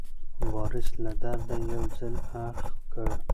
وارث له درده یو ځل اخ کړ.